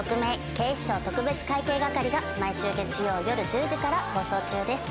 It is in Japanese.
警視庁特別会計係』が毎週月曜夜１０時から放送中です。